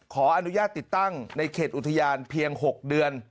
ขออนุญาตติดตั้งในเขตอุทยานเพียง๖เดือน